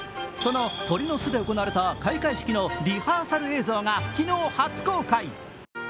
その鳥の巣で行われた開会式のリハーサル映像が昨日、初公開。